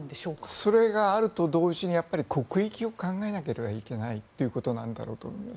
それがあると同時にやっぱり国益を考えなければいけないということなんだろうと思います。